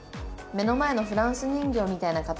「目の前のフランス人形みたいな方。